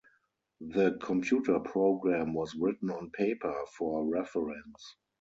The computer program was written on paper for reference.